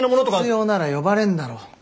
必要なら呼ばれんだろ。